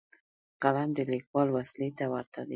قلم د لیکوال وسلې ته ورته دی.